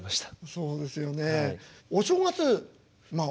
そうですよね。お正月まあ